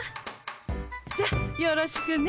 じゃあよろしくね。